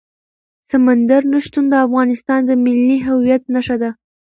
سمندر نه شتون د افغانستان د ملي هویت نښه ده.